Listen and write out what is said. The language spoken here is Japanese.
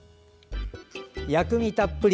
薬味たっぷり！